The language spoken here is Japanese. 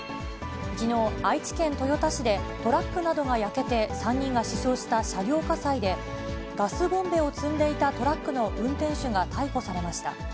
きのう、愛知県豊田市でトラックなどが焼けて、３人が死傷した車両火災で、ガスボンベを積んでいたトラックの運転手が逮捕されました。